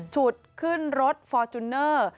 ฉุดขึ้นรถฟอร์จูเนอร์